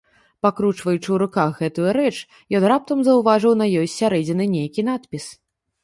Пакручваючы ў руках гэтую рэч, ён раптам заўважыў на ёй з сярэдзіны нейкі надпіс.